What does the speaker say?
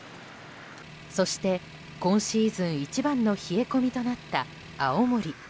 そして、今シーズン一番の冷え込みとなった青森。